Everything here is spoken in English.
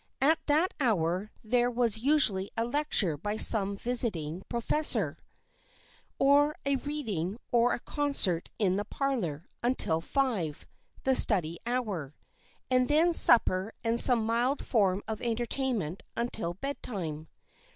At that hour there was usually a lecture by some visiting professor, or a reading or a concert in the parlor, until five, the study hour, and then supper and some mild form of entertainment until bed time.